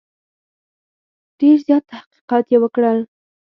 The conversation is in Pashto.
ډېر زیات تحقیقات یې وکړل.